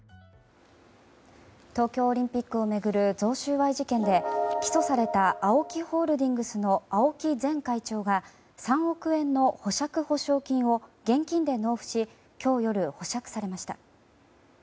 東京オリンピックを巡る贈収賄事件で起訴されたＡＯＫＩホールディングスの青木前会長が３億円の保釈保証金を現金で納付し今日夜、保釈されました。